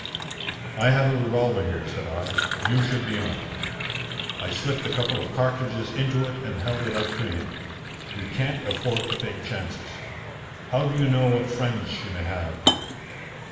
"I have a revolver here," said I. "You should be armed." I slipped a couple of cartridges into it and held it out to him. "We can't afford to take chances. How do you know what friends she may have?"